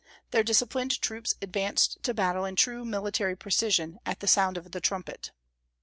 Their disciplined troops advanced to battle in true military precision, at the sound of the trumpet.